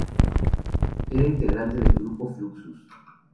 Era integrante del grupo Fluxus.